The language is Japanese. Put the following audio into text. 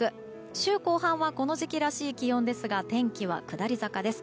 週後半はこの時期らしい気温ですが天気は下り坂です。